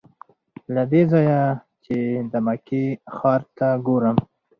له دې ځایه چې د مکې ښار ته ګورم.